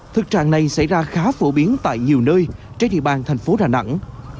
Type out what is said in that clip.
thực trạng này xảy ra khá phổ biến tại nhiều nơi trên địa bàn thành phố đà nẵng